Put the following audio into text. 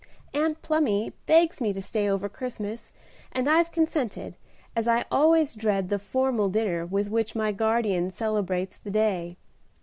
"Aunt Plumy begs me to stay over Christmas, and I have consented, as I always dread the formal dinner with which my guardian celebrates the day.